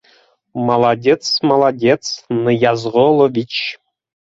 — Молодец, молодец, Ныязғолович.